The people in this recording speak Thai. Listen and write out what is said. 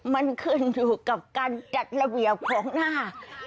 มันขึ้นอยู่กับการจัดระเบียบของหน้า